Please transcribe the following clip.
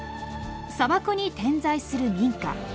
砂漠に点在する民家。